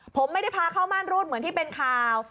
ผมไม่ได้พาเข้าม่านรูดเหมือนที่เป็นข่าว